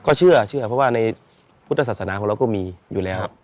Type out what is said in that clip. ก็เชื่อเพราะว่าในพุทธศาสนาของเราก็มีอยู่แล้ว